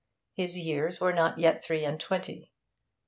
His years were not yet three and twenty.